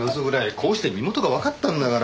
こうして身元がわかったんだから。